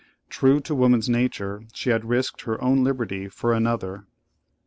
True to woman's nature, she had risked her own liberty for another.